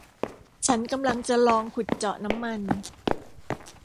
ฉันกำลังจะลองขุดเจาะน้ำมัน